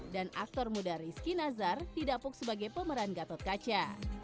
dan aktor muda rizky nazar didapuk sebagai pemeran gatot kaca